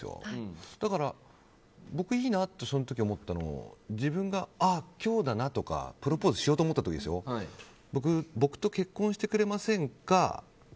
僕いいなと、その時思ったのは自分が今日だなとかプロポーズしようと思った時僕と結婚してくれませんか？